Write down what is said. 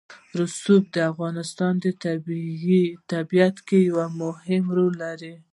رسوب د افغانستان په طبیعت کې یو مهم رول لري.